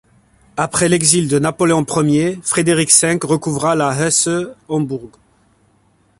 Après l'exil de Napoléon I, Frédéric V recouvra la Hesse-Homburg.